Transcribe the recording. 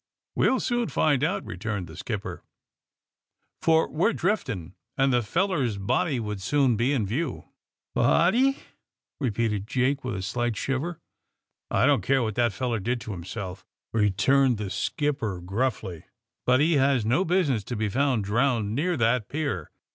We'll soon find out," returned the skipper, 66 THE SUBMARINE BOYS for we 're drifting and the feller 's body wonld soon be in view." ^^BodyT' repeated Jake, with a slight sMver. I don't care what the feller did to himself," returned the skipper grnffly, *^bnt he has no business to be found drowned near that pier.